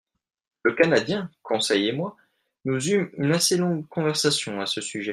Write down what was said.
Le Canadien, Conseil et moi, nous eûmes une assez longue conversation à ce sujet.